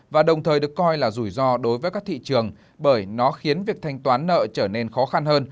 và đồng thời được coi là rủi ro đối với các thị trường bởi nó khiến việc thanh toán nợ trở nên khó khăn hơn